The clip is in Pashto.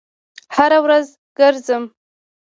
هره ورځ ګرځم